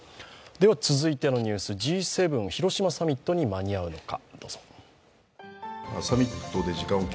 続いてのニュース、Ｇ７広島サミットに間に合うのか。